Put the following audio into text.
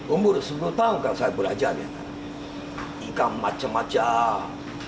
umur sepuluh tahun kan saya belajar ya ikan macam macam